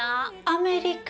アメリカ？